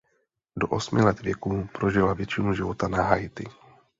Do osmi let věku prožila většinu života na Haiti.